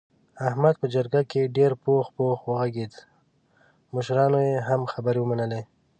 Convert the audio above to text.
احمد په جرګه کې ډېر پوخ پوخ و غږېدا مشرانو یې هم خبرې ومنلې.